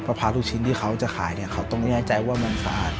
เพราะพร้าวทุกชิ้นที่เขาจะขายเขาต้องแน่ใจว่ามันสะอาด